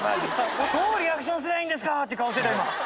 どうリアクションすればいいんですかって顔してたよ、今。